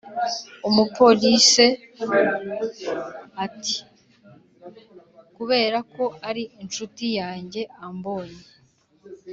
umupolice ati”kubera ko ari incuti yajye ambonye